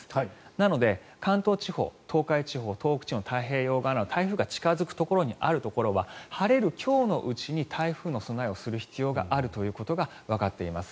なので、関東地方、東海地方東北地方の太平洋側など台風が近付くところにあるところは晴れる今日のうちに台風の備えをする必要があるということがわかっています。